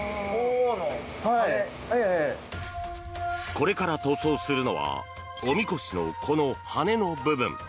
これから塗装するのはおみこしの、この羽の部分。